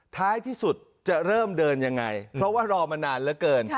ท้ายที่สุดจะเริ่มเดินยังไงเพราะว่ารอมานานเหลือเกิน